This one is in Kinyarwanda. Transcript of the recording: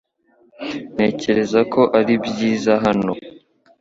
Ntekereza ko ari byiza hano .